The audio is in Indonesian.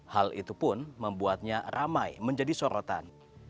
hal itu pun membuatnya ramai menjadi sorotan